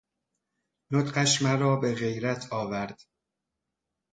نطقش مرا بغیرت آ ورد